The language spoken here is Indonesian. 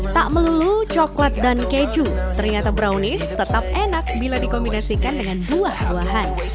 tak melulu coklat dan keju ternyata brownies tetap enak bila dikombinasikan dengan buah buahan